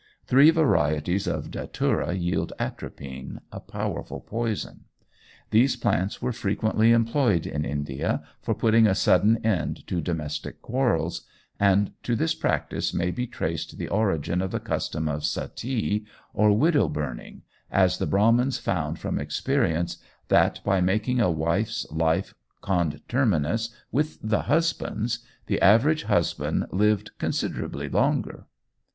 Three varieties of Datura yield atropine, a powerful poison. These plants were frequently employed in India for putting a sudden end to domestic quarrels, and to this practice may be traced the origin of the custom of "Suttee," or widow burning, as the Brahmins found from experience that, by making a wife's life conterminous with the husband's the average husband lived considerably longer.